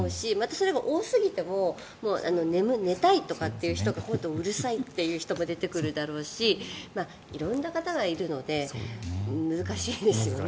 、それが多すぎても寝たいとかっていう人が今度は、うるさいって人も出てくるだろうし色んな方がいるので難しいですよね。